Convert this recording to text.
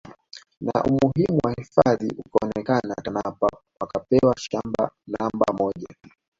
Na umuhimu wa hifadhi ukaonekana Tanapa wakapewa shamba namba moja